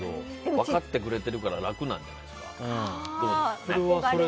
分かってくれているから楽なんじゃないですか？